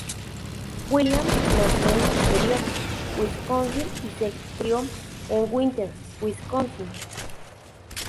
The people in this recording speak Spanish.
Williams nació en Superior, Wisconsin, y se crió en Winter, Wisconsin.